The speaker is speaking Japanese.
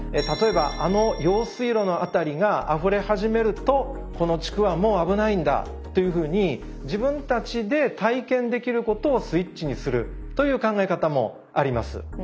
例えば「あの用水路の辺りがあふれ始めるとこの地区はもう危ないんだ」というふうに自分たちで体験できることをスイッチにするという考え方もあります。